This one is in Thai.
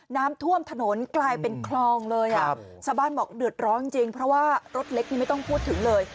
น้ำท่วมถนนกลายเป็นคลองเลยอ่ะชาวบ้านบอกเดือดร้อนจริงเพราะว่ารถเล็กนี่ไม่ต้องพูดถึงเลย